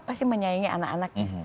pasti menyayangi anak anaknya